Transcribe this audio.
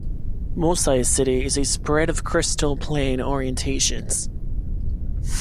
Mosaicity is a spread of crystal plane orientations.